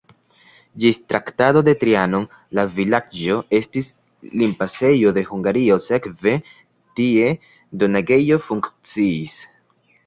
Ĝis Traktato de Trianon la vilaĝo estis limpasejo de Hungario, sekve tie doganejo funkciis.